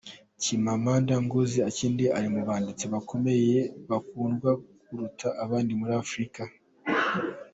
Chimamanda Ngozi Adichie ari mu banditsi bakomakomeye bakundwa kuruta abandi muri Afrika.